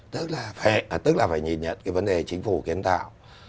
tức là phải nhìn nhận cái vấn đề chính phủ kiến tạo